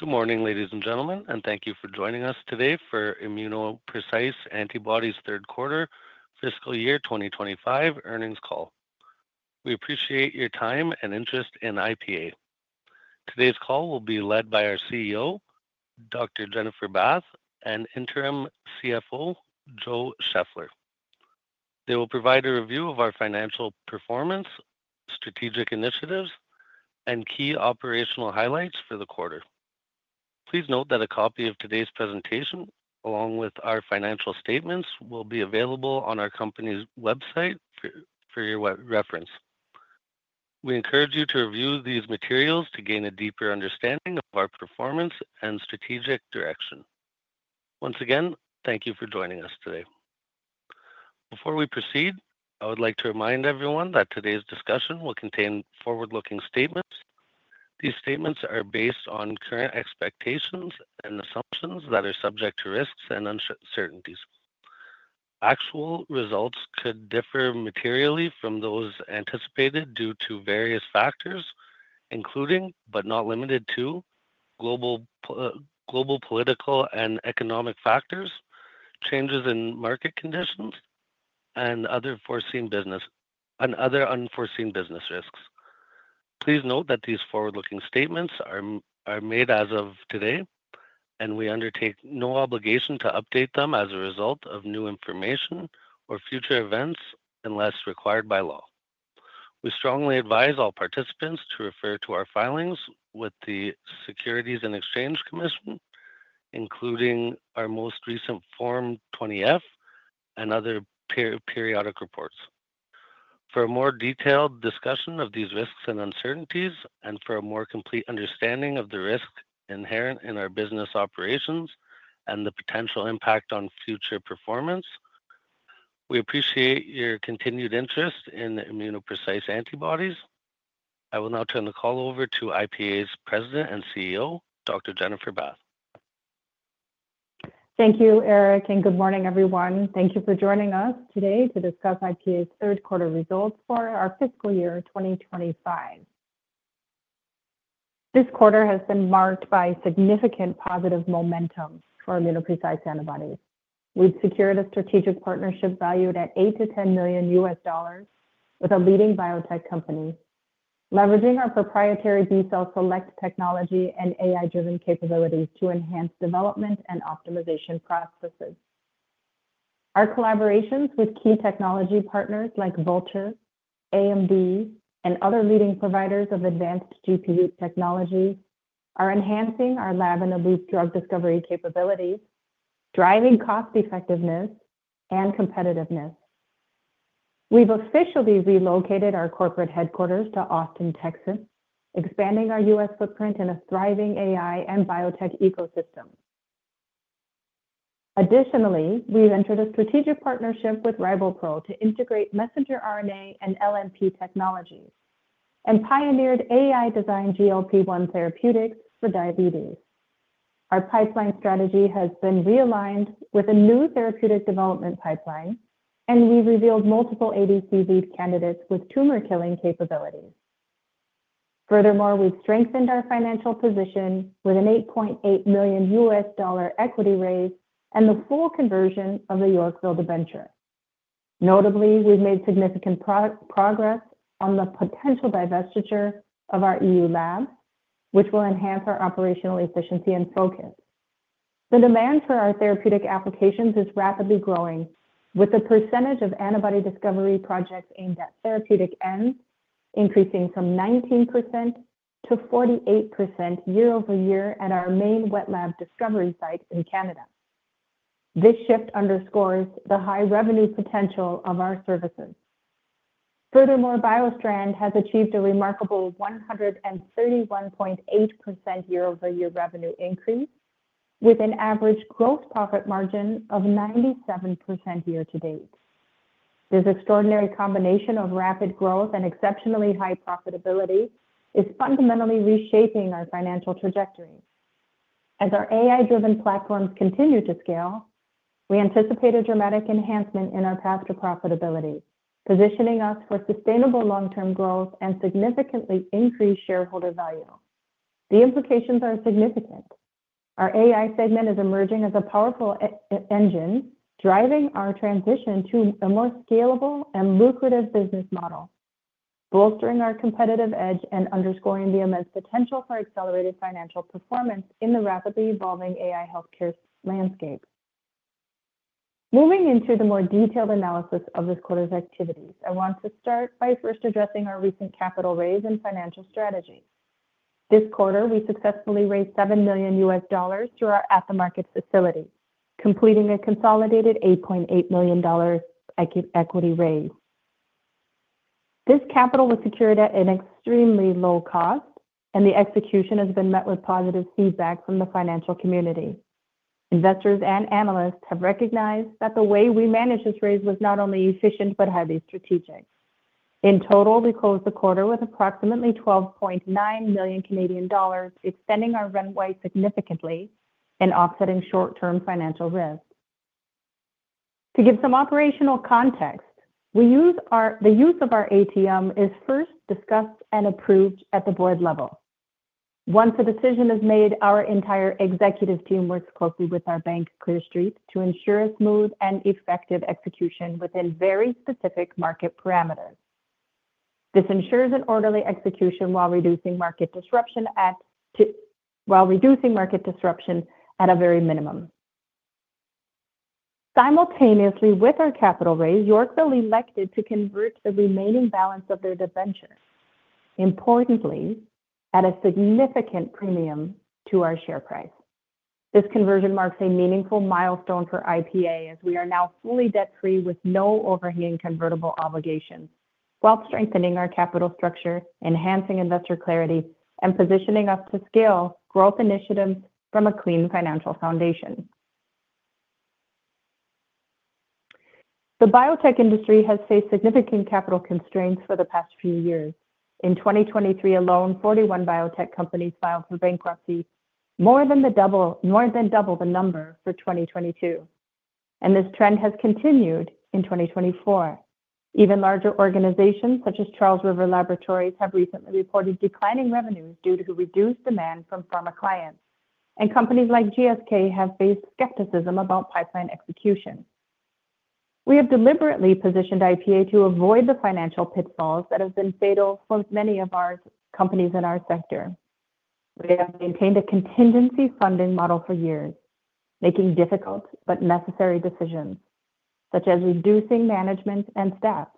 Good morning, ladies and gentlemen, and thank you for joining us today for ImmunoPrecise Antibodies Q3, FY2025 earnings call. We appreciate your time and interest in IPA. Today's call will be led by our CEO, Dr. Jennifer Bath, and interim CFO, Joe Scheffler. They will provide a review of our financial performance, strategic initiatives, and key operational highlights for the quarter. Please note that a copy of today's presentation, along with our financial statements, will be available on our company's website for your reference. We encourage you to review these materials to gain a deeper understanding of our performance and strategic direction. Once again, thank you for joining us today. Before we proceed, I would like to remind everyone that today's discussion will contain forward-looking statements. These statements are based on current expectations and assumptions that are subject to risks and uncertainties. Actual results could differ materially from those anticipated due to various factors, including but not limited to global political and economic factors, changes in market conditions, and other unforeseen business risks. Please note that these forward-looking statements are made as of today, and we undertake no obligation to update them as a result of new information or future events unless required by law. We strongly advise all participants to refer to our filings with the Securities and Exchange Commission, including our most recent Form 20F and other periodic reports. For a more detailed discussion of these risks and uncertainties, and for a more complete understanding of the risks inherent in our business operations and the potential impact on future performance, we appreciate your continued interest in ImmunoPrecise Antibodies. I will now turn the call over to IPA's President and CEO, Dr. Jennifer Bath. Thank you, Eric, and good morning, everyone. Thank you for joining us today to discuss IPA's Q3 results for our fiscal year 2025. This quarter has been marked by significant positive momentum for ImmunoPrecise Antibodies. We've secured a strategic partnership valued at $8 million-$10 million with a leading biotech company, leveraging our proprietary B-cell Select technology and AI-driven capabilities to enhance development and optimization processes. Our collaborations with key technology partners like Vultr, AMD, and other leading providers of advanced GPU technologies are enhancing our lab and elite drug discovery capabilities, driving cost-effectiveness and competitiveness. We've officially relocated our corporate headquarters to Austin, Texas, expanding our U.S. footprint in a thriving AI and biotech ecosystem. Additionally, we've entered a strategic partnership with RiboPro to integrate messenger RNA and LNP technologies and pioneered AI-designed GLP-1 therapeutics for diabetes. Our pipeline strategy has been realigned with a new therapeutic development pipeline, and we've revealed multiple ADC lead candidates with tumor-killing capabilities. Furthermore, we've strengthened our financial position with an $8.8 million equity raise and the full conversion of the Yorkville debenture. Notably, we've made significant progress on the potential divestiture of our EU lab, which will enhance our operational efficiency and focus. The demand for our therapeutic applications is rapidly growing, with the percentage of antibody discovery projects aimed at therapeutic ends increasing from 19% to 48% year-over-year at our main wet lab discovery site in Canada. This shift underscores the high revenue potential of our services. Furthermore, BioStrand has achieved a remarkable 131.8% year-over-year revenue increase, with an average gross profit margin of 97% year-to-date. This extraordinary combination of rapid growth and exceptionally high profitability is fundamentally reshaping our financial trajectory. As our AI-driven platforms continue to scale, we anticipate a dramatic enhancement in our path to profitability, positioning us for sustainable long-term growth and significantly increased shareholder value. The implications are significant. Our AI segment is emerging as a powerful engine, driving our transition to a more scalable and lucrative business model, bolstering our competitive edge and underscoring the immense potential for accelerated financial performance in the rapidly evolving AI healthcare landscape. Moving into the more detailed analysis of this quarter's activities, I want to start by first addressing our recent capital raise and financial strategy. This quarter, we successfully raised $7 million through our at-the-market facility, completing a consolidated $8.8 million equity raise. This capital was secured at an extremely low cost, and the execution has been met with positive feedback from the financial community. Investors and analysts have recognized that the way we managed this raise was not only efficient but highly strategic. In total, we closed the quarter with approximately 12.9 million Canadian dollars, extending our runway significantly and offsetting short-term financial risk. To give some operational context, the use of our ATM is first discussed and approved at the board level. Once a decision is made, our entire executive team works closely with our bank, Clear Street, to ensure a smooth and effective execution within very specific market parameters. This ensures an orderly execution while reducing market disruption at a very minimum. Simultaneously with our capital raise, Yorkville elected to convert the remaining balance of their debenture, importantly at a significant premium to our share price. This conversion marks a meaningful milestone for IPA, as we are now fully debt-free with no overhanging convertible obligations, while strengthening our capital structure, enhancing investor clarity, and positioning us to scale growth initiatives from a clean financial foundation. The biotech industry has faced significant capital constraints for the past few years. In 2023 alone, 41 biotech companies filed for bankruptcy, more than double the number for 2022. This trend has continued in 2024. Even larger organizations, such as Charles River Laboratories, have recently reported declining revenues due to reduced demand from pharma clients, and companies like GSK have faced skepticism about pipeline execution. We have deliberately positioned IPA to avoid the financial pitfalls that have been fatal for many of our companies in our sector. We have maintained a contingency funding model for years, making difficult but necessary decisions, such as reducing management and staff.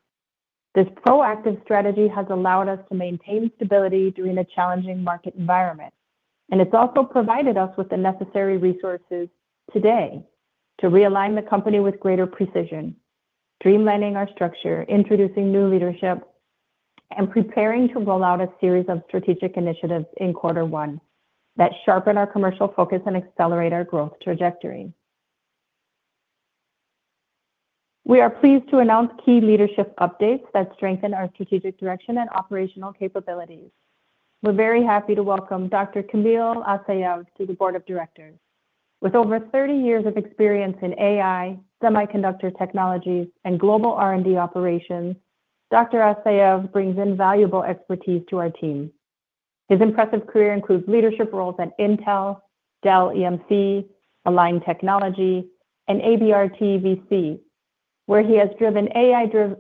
This proactive strategy has allowed us to maintain stability during a challenging market environment, and it's also provided us with the necessary resources today to realign the company with greater precision, streamlining our structure, introducing new leadership, and preparing to roll out a series of strategic initiatives in Q1 that sharpen our commercial focus and accelerate our growth trajectory. We are pleased to announce key leadership updates that strengthen our strategic direction and operational capabilities. We're very happy to welcome Dr. Kamil Isaev to the board of directors. With over 30 years of experience in AI, semiconductor technologies, and global R&D operations, Dr. Asayev brings invaluable expertise to our team. His impressive career includes leadership roles at Intel, Dell EMC, Align Technology, and ABRT VC, where he has driven AI-driven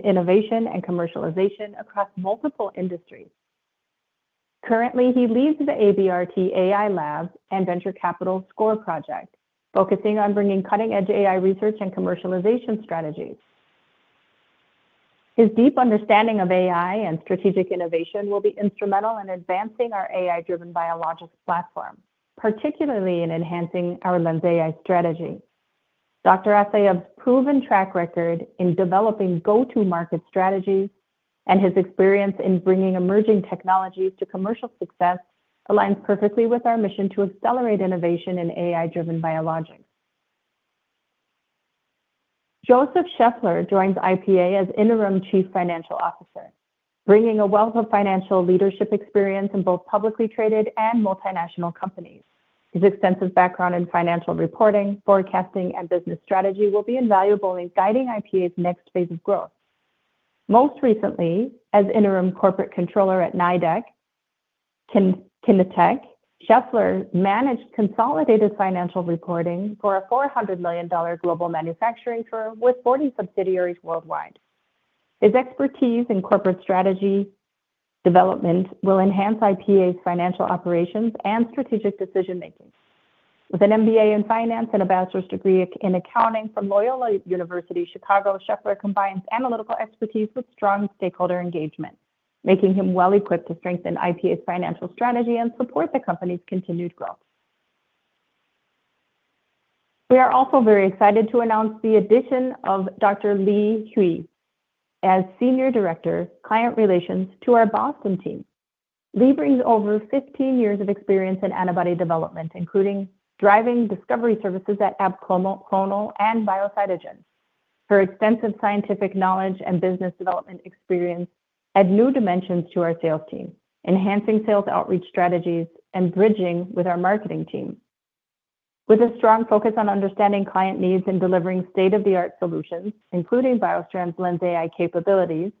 innovation and commercialization across multiple industries. Currently, he leads the ABRT AI Lab and Venture Capital Score project, focusing on bringing cutting-edge AI research and commercialization strategies. His deep understanding of AI and strategic innovation will be instrumental in advancing our AI-driven biologics platform, particularly in enhancing our LENSai strategy. Dr. Asayev's proven track record in developing go-to-market strategies and his experience in bringing emerging technologies to commercial success aligns perfectly with our mission to accelerate innovation in AI-driven biologics. Joseph Scheffler joins IPA as Interim Chief Financial Officer, bringing a wealth of financial leadership experience in both publicly traded and multinational companies. His extensive background in financial reporting, forecasting, and business strategy will be invaluable in guiding IPA's next phase of growth. Most recently, as Interim Corporate Controller at Nidec Kinetek, Scheffler managed consolidated financial reporting for a $400 million global manufacturing firm with 40 subsidiaries worldwide. His expertise in corporate strategy development will enhance IPA's financial operations and strategic decision-making. With an MBA in finance and a bachelor's degree in accounting from Loyola University, Chicago, Scheffler combines analytical expertise with strong stakeholder engagement, making him well-equipped to strengthen IPA's financial strategy and support the company's continued growth. We are also very excited to announce the addition of Dr. Hui Li as Senior Director, Client Relations, to our Boston team. Lee brings over 15 years of experience in antibody development, including driving discovery services at Abclonal and BioCitogen. Her extensive scientific knowledge and business development experience add new dimensions to our sales team, enhancing sales outreach strategies and bridging with our marketing team. With a strong focus on understanding client needs and delivering state-of-the-art solutions, including BioStrand's LENSai capabilities,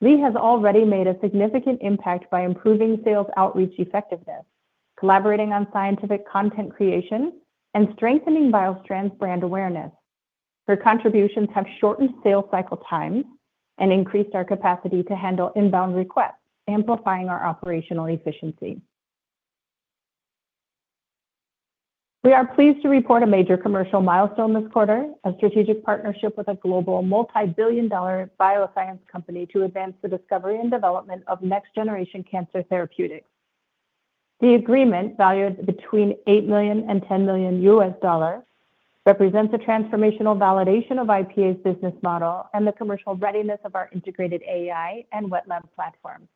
Lee has already made a significant impact by improving sales outreach effectiveness, collaborating on scientific content creation, and strengthening BioStrand's brand awareness. Her contributions have shortened sales cycle times and increased our capacity to handle inbound requests, amplifying our operational efficiency. We are pleased to report a major commercial milestone this quarter: a strategic partnership with a global multi-billion dollar bioscience company to advance the discovery and development of next-generation cancer therapeutics. The agreement, valued between $8 million and $10 million USD, represents a transformational validation of IPA's business model and the commercial readiness of our integrated AI and wet lab platform.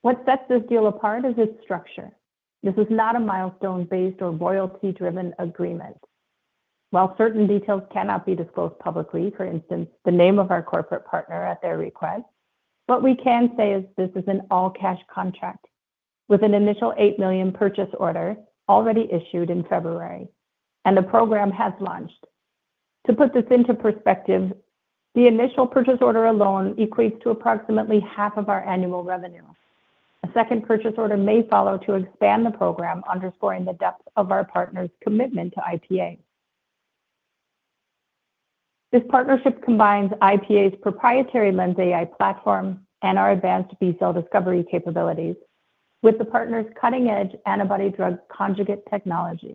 What sets this deal apart is its structure. This is not a milestone-based or royalty-driven agreement. While certain details cannot be disclosed publicly, for instance, the name of our corporate partner at their request, what we can say is this is an all-cash contract with an initial $8 million purchase order already issued in February, and the program has launched. To put this into perspective, the initial purchase order alone equates to approximately half of our annual revenue. A second purchase order may follow to expand the program, underscoring the depth of our partner's commitment to IPA. This partnership combines IPA's proprietary LENSai platform and our advanced B-cell discovery capabilities with the partner's cutting-edge antibody drug conjugate technology.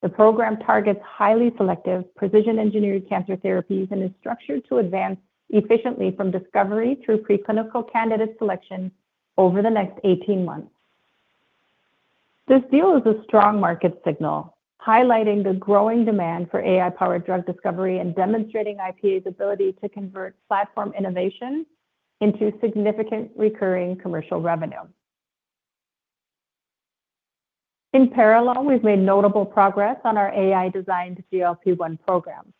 The program targets highly selective, precision-engineered cancer therapies and is structured to advance efficiently from discovery through preclinical candidate selection over the next 18 months. This deal is a strong market signal, highlighting the growing demand for AI-powered drug discovery and demonstrating IPA's ability to convert platform innovation into significant recurring commercial revenue. In parallel, we've made notable progress on our AI-designed GLP-1 program.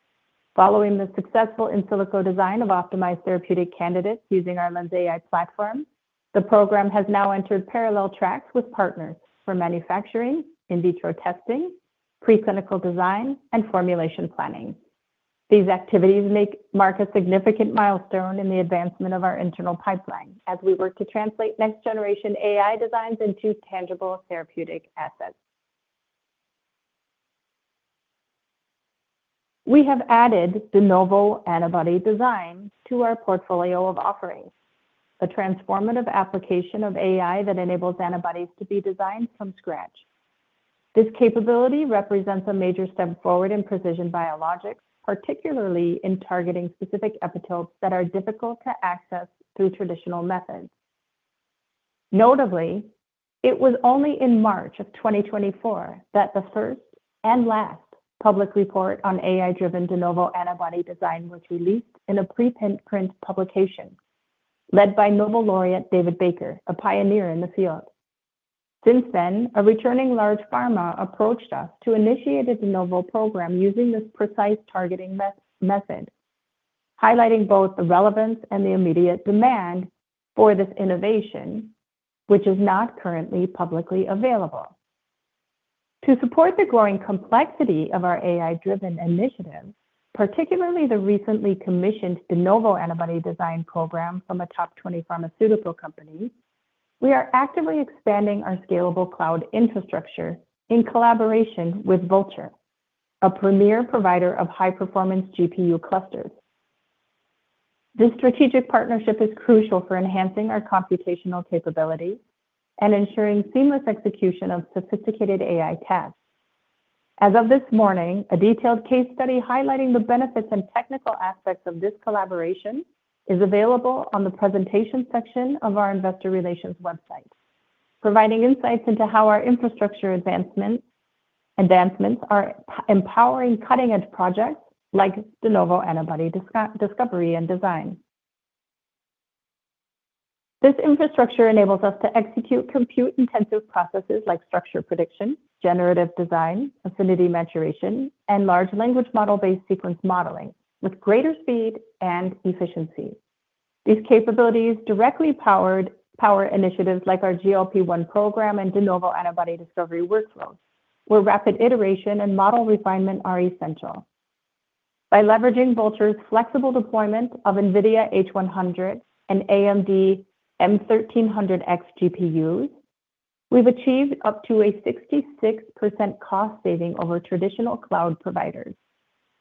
Following the successful in silico design of optimized therapeutic candidates using our LENSai platform, the program has now entered parallel tracks with partners for manufacturing, in vitro testing, preclinical design, and formulation planning. These activities mark a significant milestone in the advancement of our internal pipeline as we work to translate next-generation AI designs into tangible therapeutic assets. We have added de novo antibody design to our portfolio of offerings, a transformative application of AI that enables antibodies to be designed from scratch. This capability represents a major step forward in precision biologics, particularly in targeting specific epitopes that are difficult to access through traditional methods. Notably, it was only in March of 2024 that the first and last public report on AI-driven de novo antibody design was released in a pre-print publication led by Nobel Laureate David Baker, a pioneer in the field. Since then, a returning large pharma approached us to initiate a de novo program using this precise targeting method, highlighting both the relevance and the immediate demand for this innovation, which is not currently publicly available. To support the growing complexity of our AI-driven initiative, particularly the recently commissioned de novo antibody design program from a top 20 pharmaceutical company, we are actively expanding our scalable cloud infrastructure in collaboration with Vultr, a premier provider of high-performance GPU clusters. This strategic partnership is crucial for enhancing our computational capabilities and ensuring seamless execution of sophisticated AI tasks. As of this morning, a detailed case study highlighting the benefits and technical aspects of this collaboration is available on the presentation section of our investor relations website, providing insights into how our infrastructure advancements are empowering cutting-edge projects like de novo antibody discovery and design. This infrastructure enables us to execute compute-intensive processes like structure prediction, generative design, affinity maturation, and large language model-based sequence modeling with greater speed and efficiency. These capabilities directly power initiatives like our GLP-1 program and de novo antibody discovery workflows, where rapid iteration and model refinement are essential. By leveraging Vultr's flexible deployment of NVIDIA H100 and AMD MI300X GPUs, we've achieved up to a 66% cost saving over traditional cloud providers,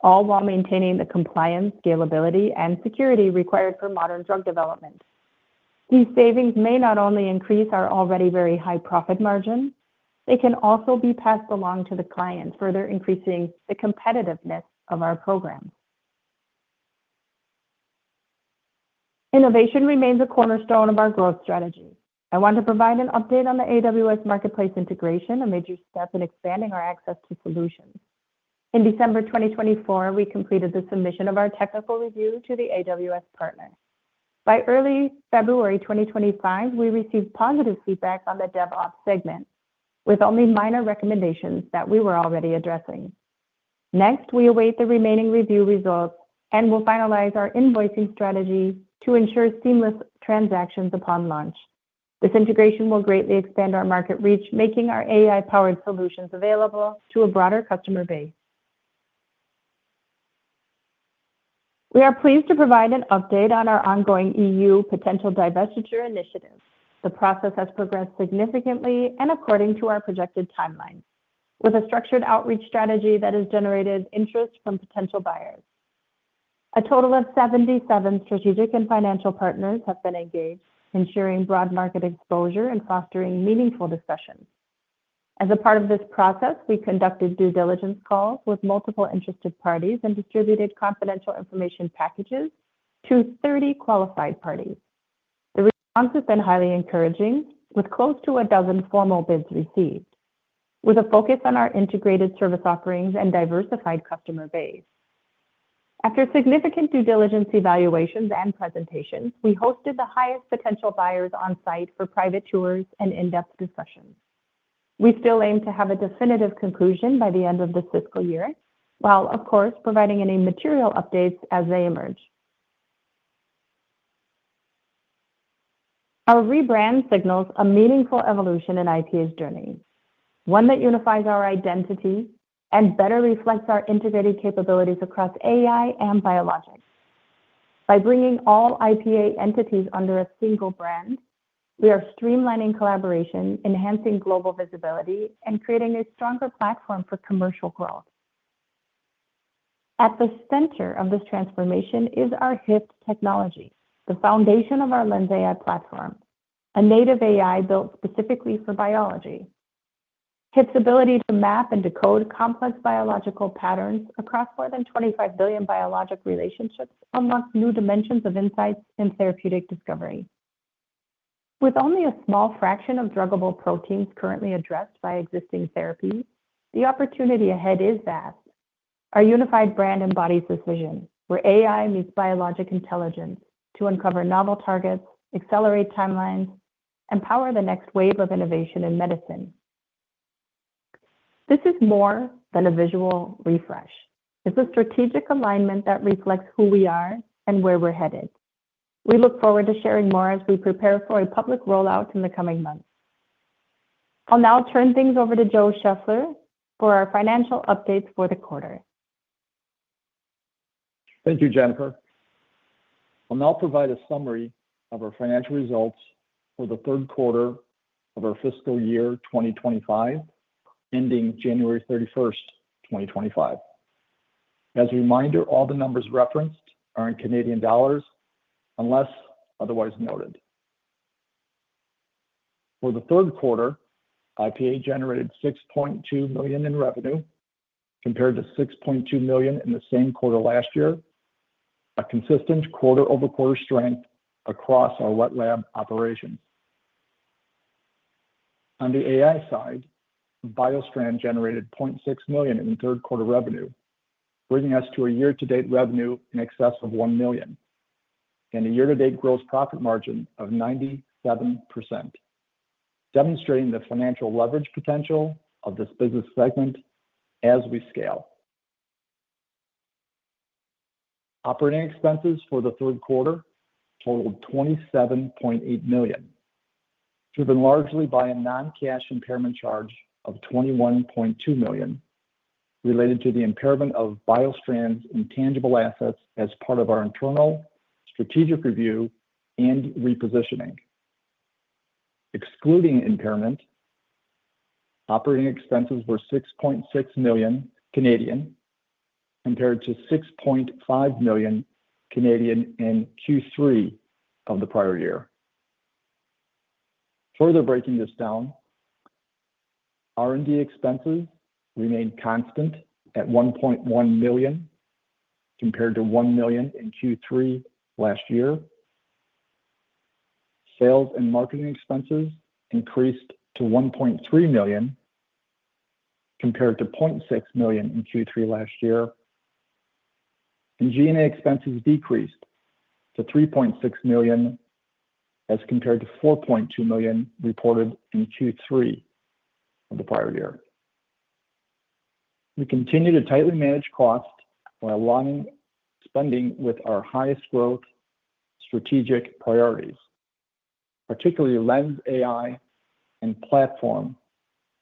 all while maintaining the compliance, scalability, and security required for modern drug development. These savings may not only increase our already very high profit margin, they can also be passed along to the client, further increasing the competitiveness of our program. Innovation remains a cornerstone of our growth strategy. I want to provide an update on the AWS Marketplace integration, a major step in expanding our access to solutions. In December 2024, we completed the submission of our technical review to the AWS partners. By early February 2025, we received positive feedback on the DevOps segment, with only minor recommendations that we were already addressing. Next, we await the remaining review results and will finalize our invoicing strategy to ensure seamless transactions upon launch. This integration will greatly expand our market reach, making our AI-powered solutions available to a broader customer base. We are pleased to provide an update on our ongoing EU potential divestiture initiative. The process has progressed significantly and according to our projected timeline, with a structured outreach strategy that has generated interest from potential buyers. A total of 77 strategic and financial partners have been engaged, ensuring broad market exposure and fostering meaningful discussions. As a part of this process, we conducted due diligence calls with multiple interested parties and distributed confidential information packages to 30 qualified parties. The response has been highly encouraging, with close to a dozen formal bids received, with a focus on our integrated service offerings and diversified customer base. After significant due diligence evaluations and presentations, we hosted the highest potential buyers on site for private tours and in-depth discussions. We still aim to have a definitive conclusion by the end of this fiscal year, while, of course, providing any material updates as they emerge. Our rebrand signals a meaningful evolution in IPA's journey, one that unifies our identity and better reflects our integrated capabilities across AI and biologics. By bringing all IPA entities under a single brand, we are streamlining collaboration, enhancing global visibility, and creating a stronger platform for commercial growth. At the center of this transformation is our HYFT technology, the foundation of our LENSai platform, a native AI built specifically for biology. HIP's ability to map and decode complex biological patterns across more than 25 billion biologic relationships unlocks new dimensions of insights in therapeutic discovery. With only a small fraction of druggable proteins currently addressed by existing therapies, the opportunity ahead is vast. Our unified brand embodies this vision, where AI meets biologic intelligence to uncover novel targets, accelerate timelines, and power the next wave of innovation in medicine. This is more than a visual refresh. It's a strategic alignment that reflects who we are and where we're headed. We look forward to sharing more as we prepare for a public rollout in the coming months. I'll now turn things over to Joe Scheffler for our financial updates for the quarter. Thank you, Jennifer. I'll now provide a summary of our financial results for the third quarter of our fiscal year 2025, ending January 31, 2025. As a reminder, all the numbers referenced are in CAD, unless otherwise noted. For the third quarter, IPA generated 6.2 million in revenue, compared to 6.2 million in the same quarter last year, a consistent quarter-over-quarter strength across our wet lab operations. On the AI side, BioStrand generated 0.6 million in third quarter revenue, bringing us to a year-to-date revenue in excess of 1 million and a year-to-date gross profit margin of 97%, demonstrating the financial leverage potential of this business segment as we scale. Operating expenses for the third quarter totaled 27.8 million, driven largely by a non-cash impairment charge of 21.2 million related to the impairment of BioStrand's intangible assets as part of our internal strategic review and repositioning. Excluding impairment, operating expenses were 6.6 million, compared to 6.5 million in Q3 of the prior year. Further breaking this down, R&D expenses remained constant at 1.1 million, compared to 1 million in Q3 last year. Sales and marketing expenses increased to 1.3 million, compared to 0.6 million in Q3 last year. G&A expenses decreased to $3.6 million as compared to $4.2 million reported in Q3 of the prior year. We continue to tightly manage costs while spending with our highest growth strategic priorities, particularly LENSai and platform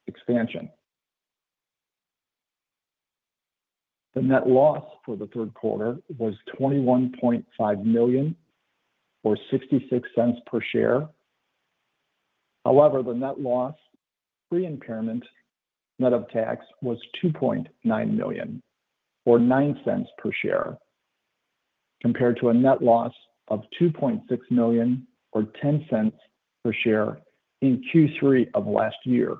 expansion. The net loss for the third quarter was $21.5 million or $0.66 per share. However, the net loss pre-impairment net of tax was $2.9 million or $0.09 per share, compared to a net loss of $2.6 million or $0.10 per share in Q3 of last year.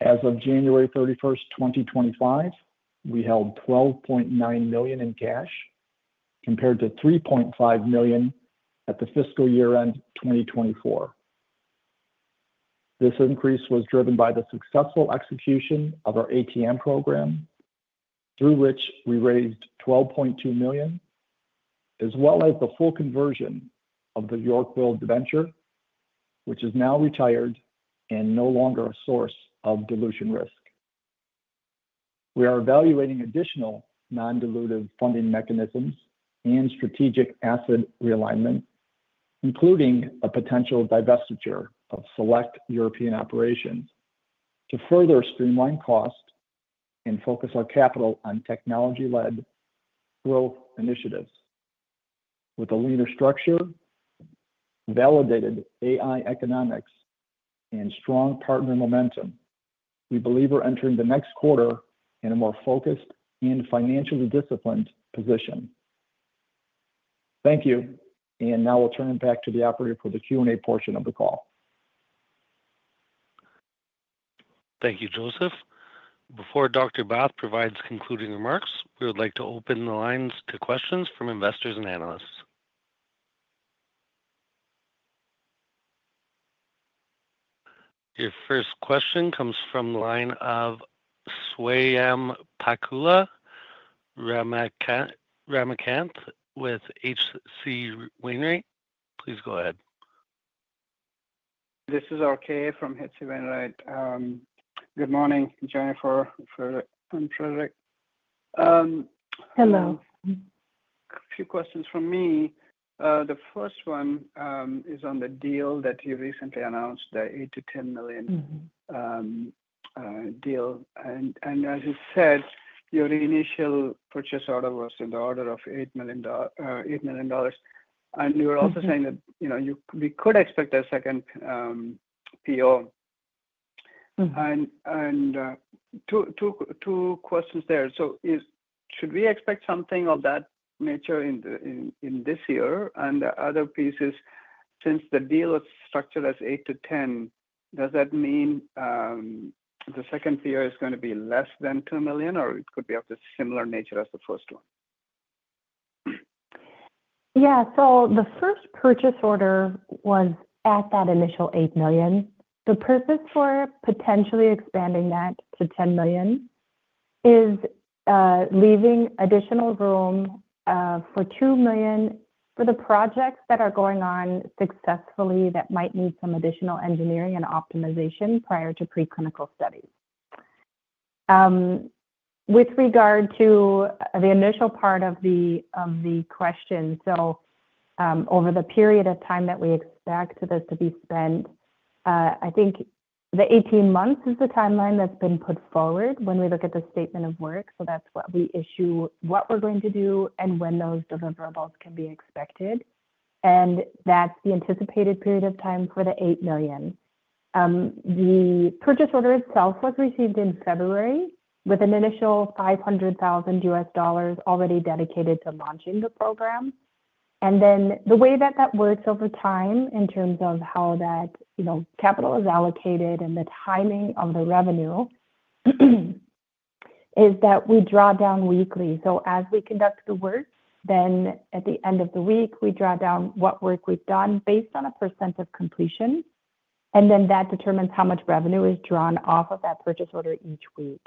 As of January 31, 2025, we held $12.9 million in cash, compared to $3.5 million at the fiscal year end 2024. This increase was driven by the successful execution of our ATM program, through which we raised $12.2 million, as well as the full conversion of the Yorkville debenture, which is now retired and no longer a source of dilution risk. We are evaluating additional non-dilutive funding mechanisms and strategic asset realignment, including a potential divestiture of select European operations, to further streamline costs and focus our capital on technology-led growth initiatives. With a leaner structure, validated AI economics, and strong partner momentum, we believe we're entering the next quarter in a more focused and financially disciplined position. Thank you. Now we'll turn it back to the operator for the Q&A portion of the call. Thank you, Joseph. Before Dr. Bath provides concluding remarks, we would like to open the lines to questions from investors and analysts. Your first question comes from the line of Swayampakula Ramakanth with HC Wainwright. Please go ahead. This is RK from HC Wainwright. Good morning, Jennifer and Frédéric. Hello. A few questions from me. The first one is on the deal that you recently announced, the $8 million-$10 million deal. As you said, your initial purchase order was in the order of $8 million. You were also saying that we could expect a second PO. Two questions there. Should we expect something of that nature in this year? The other piece is, since the deal was structured as 8-10, does that mean the second PO is going to be less than $2 million, or it could be of the similar nature as the first one? Yeah. The first purchase order was at that initial $8 million. The purpose for potentially expanding that to $10 million is leaving additional room for $2 million for the projects that are going on successfully that might need some additional engineering and optimization prior to preclinical studies. With regard to the initial part of the question, over the period of time that we expect this to be spent, I think the 18 months is the timeline that's been put forward when we look at the statement of work. That is what we issue, what we are going to do, and when those deliverables can be expected. That is the anticipated period of time for the $8 million. The purchase order itself was received in February with an initial $500,000 already dedicated to launching the program. The way that works over time in terms of how that capital is allocated and the timing of the revenue is that we draw down weekly. As we conduct the work, at the end of the week, we draw down what work we have done based on a % of completion. That determines how much revenue is drawn off of that purchase order each week.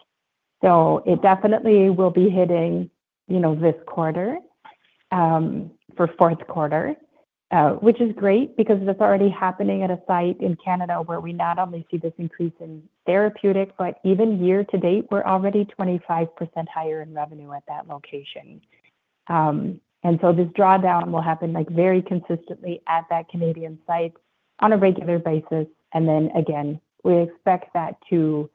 It definitely will be hitting this quarter for fourth quarter, which is great because it's already happening at a site in Canada where we not only see this increase in therapeutic, but even year to date, we're already 25% higher in revenue at that location. This drawdown will happen very consistently at that Canadian site on a regular basis. We expect that to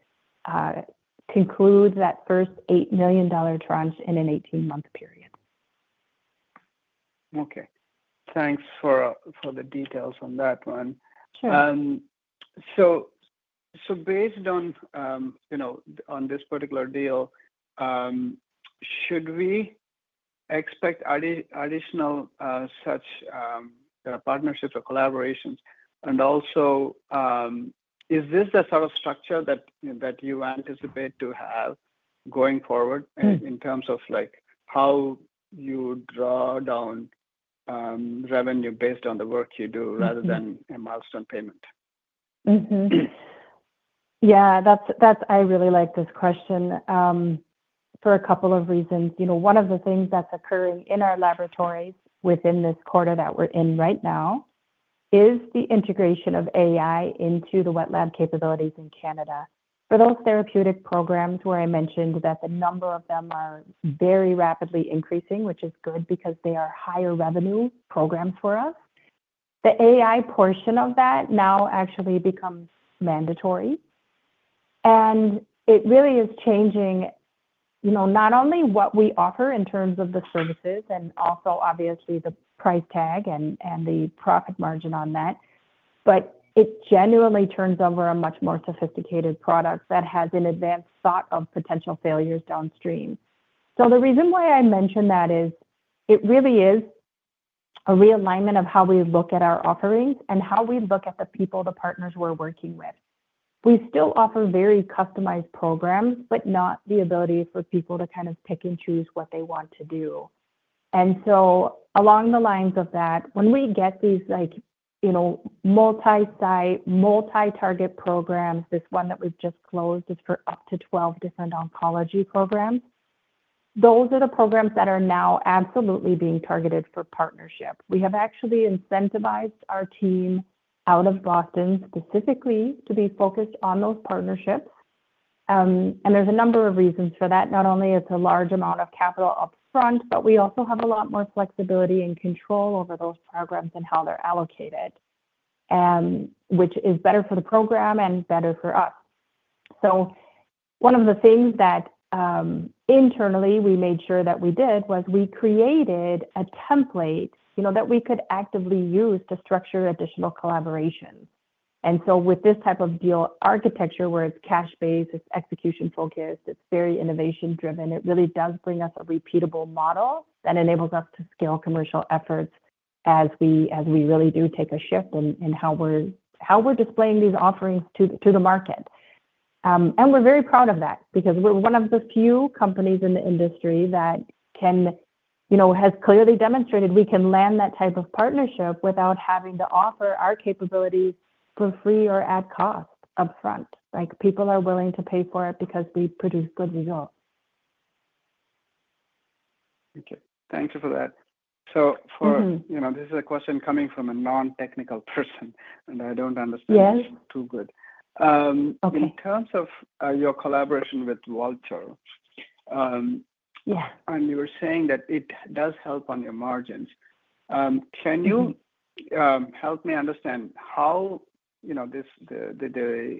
conclude that first $8 million tranche in an 18-month period. Okay. Thanks for the details on that one. Based on this particular deal, should we expect additional such partnerships or collaborations? Is this the sort of structure that you anticipate to have going forward in terms of how you draw down revenue based on the work you do rather than a milestone payment? Yeah. I really like this question for a couple of reasons. One of the things that's occurring in our laboratories within this quarter that we're in right now is the integration of AI into the wet lab capabilities in Canada. For those therapeutic programs where I mentioned that the number of them are very rapidly increasing, which is good because they are higher revenue programs for us, the AI portion of that now actually becomes mandatory. It really is changing not only what we offer in terms of the services and also, obviously, the price tag and the profit margin on that, but it genuinely turns over a much more sophisticated product that has an advanced thought of potential failures downstream. The reason why I mentioned that is it really is a realignment of how we look at our offerings and how we look at the people, the partners we're working with. We still offer very customized programs, but not the ability for people to kind of pick and choose what they want to do. Along the lines of that, when we get these multi-site, multi-target programs, this one that we've just closed is for up to 12 different oncology programs. Those are the programs that are now absolutely being targeted for partnership. We have actually incentivized our team out of Boston specifically to be focused on those partnerships. There are a number of reasons for that. Not only is it a large amount of capital upfront, but we also have a lot more flexibility and control over those programs and how they're allocated, which is better for the program and better for us. One of the things that internally we made sure that we did was we created a template that we could actively use to structure additional collaborations. With this type of deal architecture, where it's cash-based, it's execution-focused, it's very innovation-driven, it really does bring us a repeatable model that enables us to scale commercial efforts as we really do take a shift in how we're displaying these offerings to the market. We're very proud of that because we're one of the few companies in the industry that has clearly demonstrated we can land that type of partnership without having to offer our capabilities for free or at cost upfront. People are willing to pay for it because we produce good results. Thank you for that. This is a question coming from a non-technical person, and I don't understand this too good. In terms of your collaboration with Vultr, and you were saying that it does help on your margins, can you help me understand how the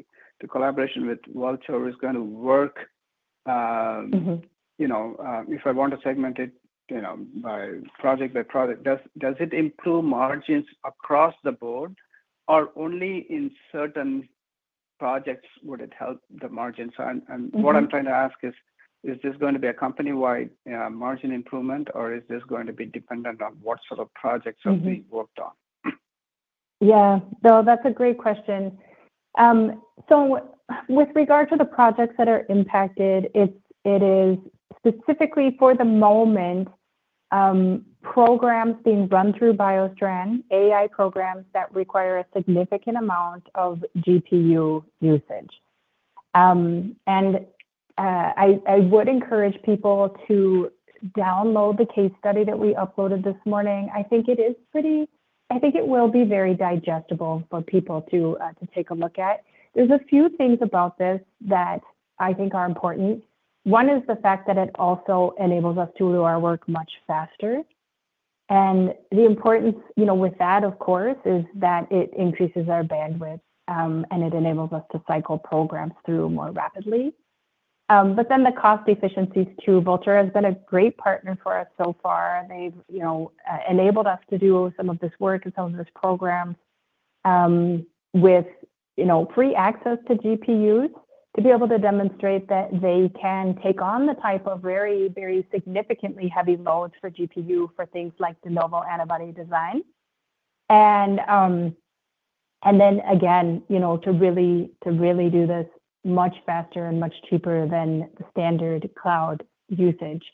collaboration with Vultr is going to work if I want to segment it by project by project? Does it improve margins across the board, or only in certain projects would it help the margins? What I'm trying to ask is, is this going to be a company-wide margin improvement, or is this going to be dependent on what sort of projects are being worked on? Yeah. No, that's a great question. With regard to the projects that are impacted, it is specifically for the moment programs being run through BioStrand, AI programs that require a significant amount of GPU usage. I would encourage people to download the case study that we uploaded this morning. I think it is pretty—I think it will be very digestible for people to take a look at. There are a few things about this that I think are important. One is the fact that it also enables us to do our work much faster. The importance with that, of course, is that it increases our bandwidth, and it enables us to cycle programs through more rapidly. Then the cost efficiencies too. Vultr has been a great partner for us so far. They've enabled us to do some of this work and some of these programs with free access to GPUs to be able to demonstrate that they can take on the type of very, very significantly heavy loads for GPU for things like de novo antibody design. Again, to really do this much faster and much cheaper than the standard cloud usage.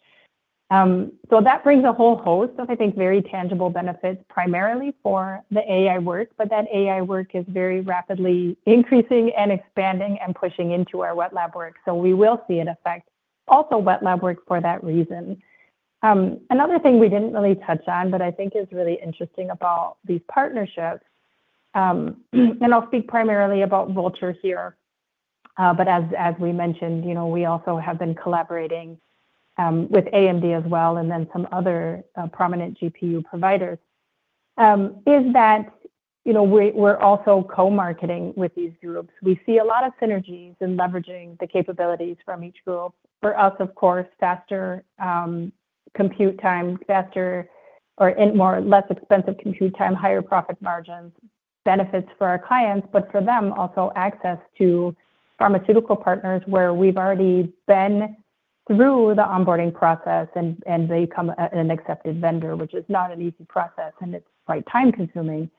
That brings a whole host of, I think, very tangible benefits, primarily for the AI work, but that AI work is very rapidly increasing and expanding and pushing into our wet lab work. We will see it affect also wet lab work for that reason. Another thing we did not really touch on, but I think is really interesting about these partnerships—and I will speak primarily about Vultr here—but as we mentioned, we also have been collaborating with AMD as well, and then some other prominent GPU providers, is that we are also co-marketing with these groups. We see a lot of synergies in leveraging the capabilities from each group. For us, of course, faster compute time, faster or less expensive compute time, higher profit margins, benefits for our clients, but for them, also access to pharmaceutical partners where we have already been through the onboarding process and they become an accepted vendor, which is not an easy process, and it is quite time-consuming.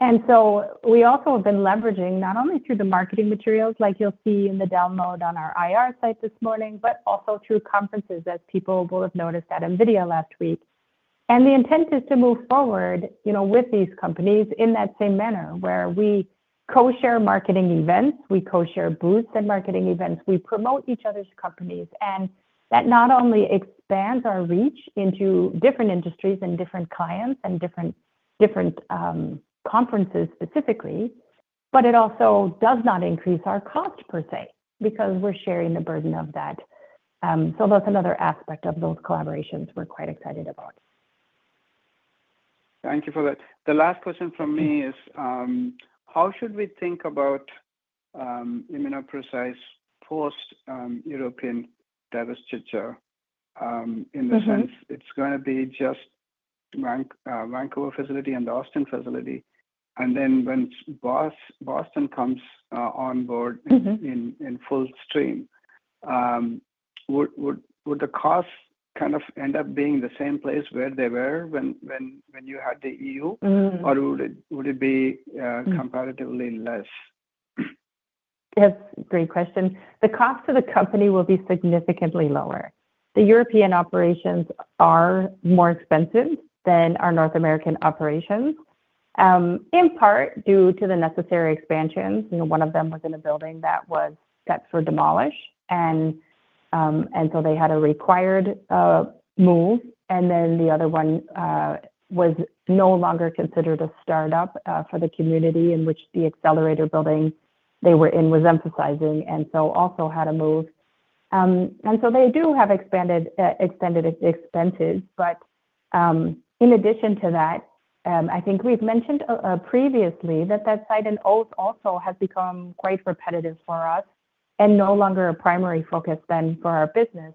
We also have been leveraging not only through the marketing materials like you'll see in the download on our IR site this morning, but also through conferences, as people will have noticed at NVIDIA last week. The intent is to move forward with these companies in that same manner where we co-share marketing events, we co-share booths and marketing events, we promote each other's companies. That not only expands our reach into different industries and different clients and different conferences specifically, but it also does not increase our cost per se because we're sharing the burden of that. That is another aspect of those collaborations we're quite excited about. Thank you for that. The last question from me is, how should we think about ImmunoPrecise post-European divestiture in the sense it's going to be just Vancouver facility and the Austin facility, and then when Boston comes on board in full stream, would the cost kind of end up being the same place where they were when you had the EU, or would it be comparatively less? That's a great question. The cost of the company will be significantly lower. The European operations are more expensive than our North American operations, in part due to the necessary expansions. One of them was in a building that was set for demolish, and so they had a required move. The other one was no longer considered a startup for the community in which the accelerator building they were in was emphasizing, and so also had a move. They do have extended expenses. In addition to that, I think we've mentioned previously that that site in Oss also has become quite repetitive for us and no longer a primary focus then for our business.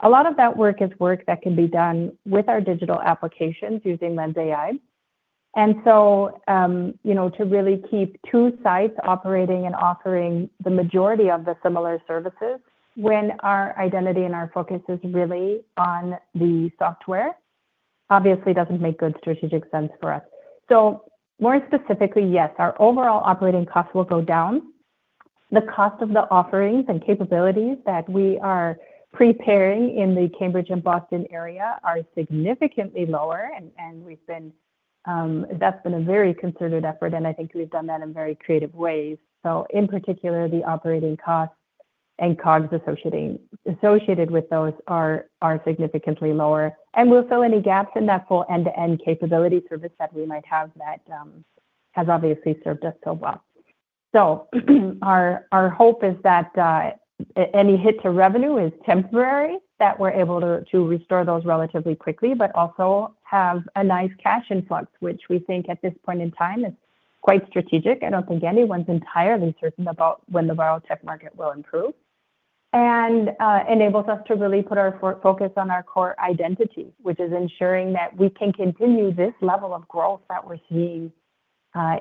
A lot of that work is work that can be done with our digital applications using LENSai. To really keep two sites operating and offering the majority of the similar services when our identity and our focus is really on the software obviously does not make good strategic sense for us. More specifically, yes, our overall operating costs will go down. The cost of the offerings and capabilities that we are preparing in the Cambridge and Boston area are significantly lower, and that has been a very concerted effort, and I think we've done that in very creative ways. In particular, the operating costs and costs associated with those are significantly lower. We will fill any gaps in that full end-to-end capability service that we might have that has obviously served us so well. Our hope is that any hit to revenue is temporary, that we are able to restore those relatively quickly, but also have a nice cash influx, which we think at this point in time is quite strategic. I do not think anyone is entirely certain about when the biotech market will improve and it enables us to really put our focus on our core identity, which is ensuring that we can continue this level of growth that we are seeing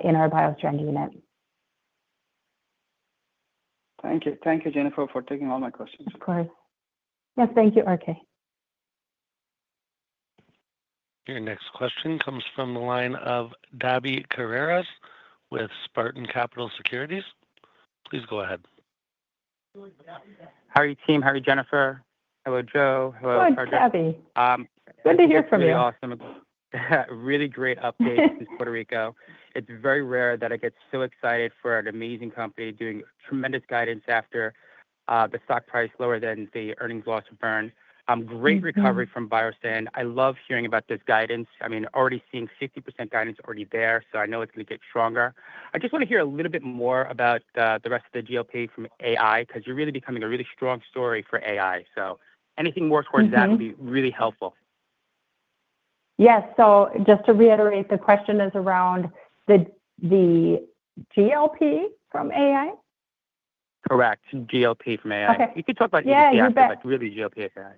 in our BioStrand unit. Thank you. Thank you, Jennifer, for taking all my questions. Of course. Yes, thank you, Rk. Your next question comes from the line of Daby Carreras with Spartan Capital Securities. Please go ahead. How are you, team? How are you, Jennifer? Hello, Joe. Hello, Ark. Good to hear from you. Really great update in Puerto Rico. It's very rare that I get so excited for an amazing company doing tremendous guidance after the stock price lower than the earnings loss of burn. Great recovery from BioStrand. I love hearing about this guidance. I mean, already seeing 50% guidance already there, so I know it's going to get stronger. I just want to hear a little bit more about the rest of the GLP from AI because you're really becoming a really strong story for AI. Anything more towards that would be really helpful. Yes. Just to reiterate, the question is around the GLP from AI? Correct. GLP from AI. You could talk about ADC, but really GLP AI.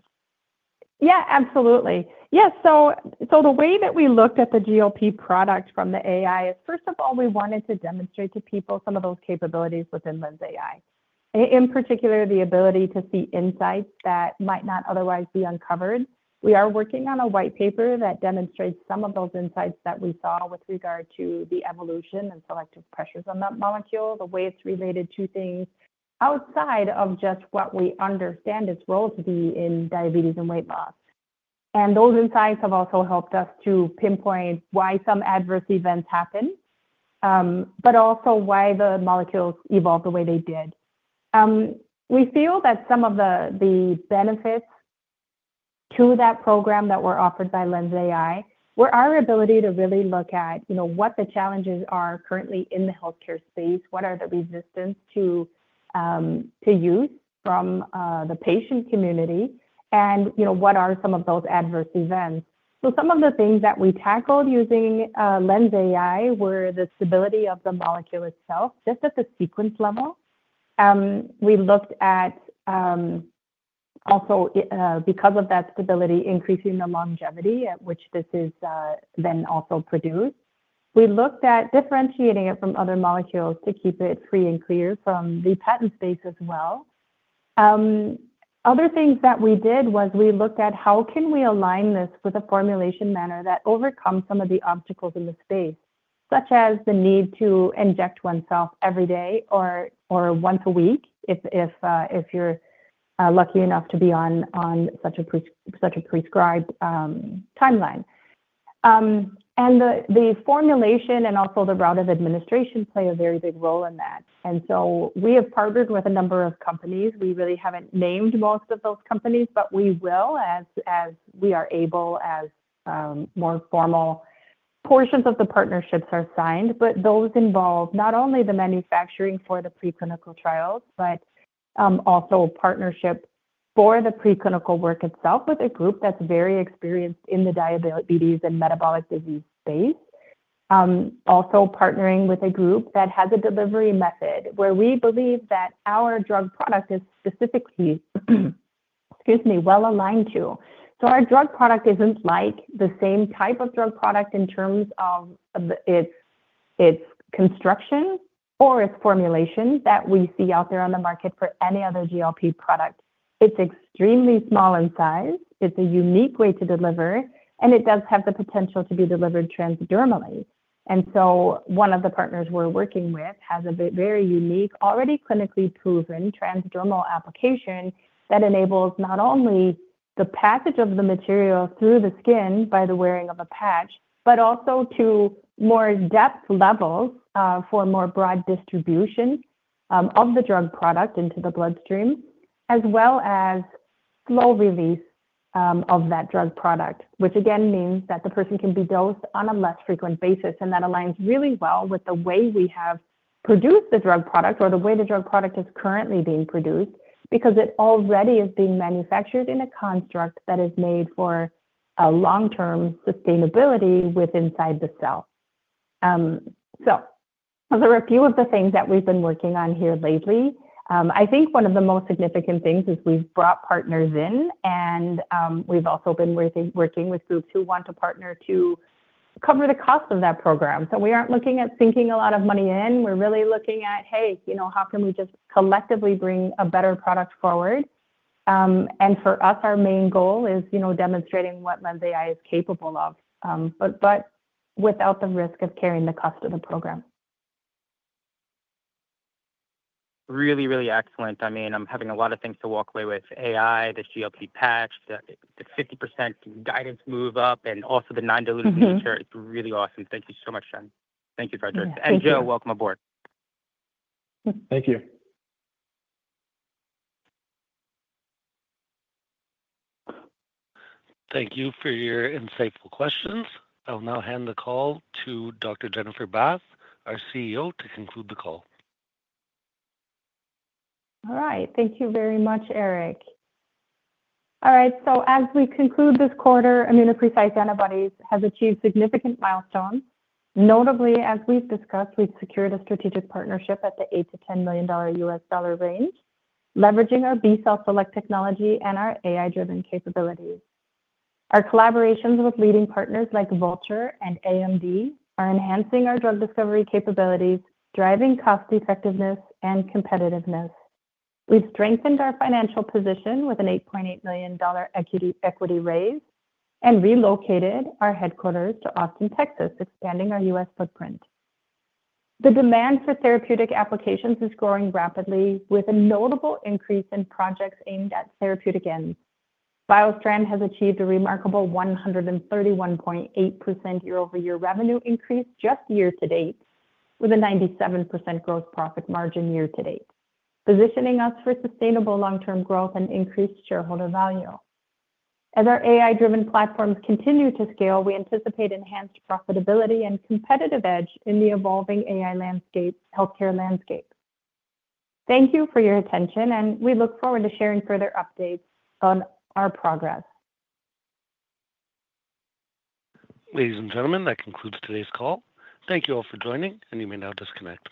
Yeah, absolutely. Yeah. The way that we looked at the GLP product from the AI is, first of all, we wanted to demonstrate to people some of those capabilities within LENSai, in particular the ability to see insights that might not otherwise be uncovered. We are working on a white paper that demonstrates some of those insights that we saw with regard to the evolution and selective pressures on that molecule, the way it's related to things outside of just what we understand its role to be in diabetes and weight loss. Those insights have also helped us to pinpoint why some adverse events happen, but also why the molecules evolve the way they did. We feel that some of the benefits to that program that were offered by LENSai were our ability to really look at what the challenges are currently in the healthcare space, what are the resistance to use from the patient community, and what are some of those adverse events. Some of the things that we tackled using LENSai were the stability of the molecule itself, just at the sequence level. We looked at also, because of that stability, increasing the longevity at which this is then also produced. We looked at differentiating it from other molecules to keep it free and clear from the patent space as well. Other things that we did was we looked at how can we align this with a formulation manner that overcomes some of the obstacles in the space, such as the need to inject oneself every day or once a week if you're lucky enough to be on such a prescribed timeline. The formulation and also the route of administration play a very big role in that. We have partnered with a number of companies. We really haven't named most of those companies, but we will as we are able, as more formal portions of the partnerships are signed. Those involve not only the manufacturing for the preclinical trials, but also partnership for the preclinical work itself with a group that's very experienced in the diabetes and metabolic disease space. Also partnering with a group that has a delivery method where we believe that our drug product is specifically well aligned to. Our drug product is not like the same type of drug product in terms of its construction or its formulation that we see out there on the market for any other GLP product. It is extremely small in size. It is a unique way to deliver, and it does have the potential to be delivered transdermally. One of the partners we're working with has a very unique, already clinically proven transdermal application that enables not only the passage of the material through the skin by the wearing of a patch, but also to more depth levels for more broad distribution of the drug product into the bloodstream, as well as slow release of that drug product, which again means that the person can be dosed on a less frequent basis. That aligns really well with the way we have produced the drug product or the way the drug product is currently being produced because it already is being manufactured in a construct that is made for long-term sustainability with inside the cell. Those are a few of the things that we've been working on here lately. I think one of the most significant things is we've brought partners in, and we've also been working with groups who want to partner to cover the cost of that program. We aren't looking at sinking a lot of money in. We're really looking at, hey, how can we just collectively bring a better product forward? For us, our main goal is demonstrating what LENSai is capable of, but without the risk of carrying the cost of the program. Really, really excellent. I mean, I'm having a lot of things to walk away with: AI, the GLP-1 patch, the 50% guidance move-up, and also the non-dilutive nature. It's really awesome. Thank you so much, Jen. Thank you, Frédéric. Joe, welcome aboard. Thank you. Thank you for your insightful questions. I'll now hand the call to Dr. Jennifer Bath, our CEO, to conclude the call. All right. Thank you very much, Eric. All right. As we conclude this quarter, ImmunoPrecise Antibodies has achieved significant milestones. Notably, as we've discussed, we've secured a strategic partnership at the $8 million-$10 million range, leveraging our B-cell Select technology and our AI-driven capabilities. Our collaborations with leading partners like Vultr and AMD are enhancing our drug discovery capabilities, driving cost effectiveness and competitiveness. We've strengthened our financial position with an $8.8 million equity raise and relocated our headquarters to Austin, Texas, expanding our US footprint. The demand for therapeutic applications is growing rapidly, with a notable increase in projects aimed at therapeutic ends. BioStrand has achieved a remarkable 131.8% year-over-year revenue increase just year to date, with a 97% gross profit margin year to date, positioning us for sustainable long-term growth and increased shareholder value. As our AI-driven platforms continue to scale, we anticipate enhanced profitability and competitive edge in the evolving AI healthcare landscape. Thank you for your attention, and we look forward to sharing further updates on our progress. Ladies and gentlemen, that concludes today's call. Thank you all for joining, and you may now disconnect.